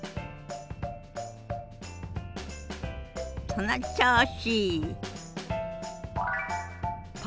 その調子。